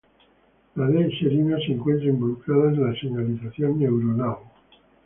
La D-serina se encuentra involucrada en la señalización neuronal.